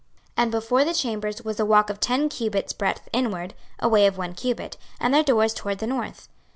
26:042:004 And before the chambers was a walk to ten cubits breadth inward, a way of one cubit; and their doors toward the north.